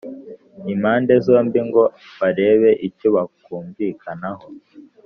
impande zombi ngo barebe icyo bakumvikanaho